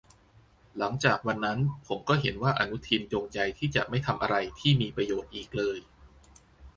หลังจากวันนั้นผมก็เห็นว่าอนุทินจงใจที่จะไม่ทำอะไรที่มีประโยชน์อีกเลย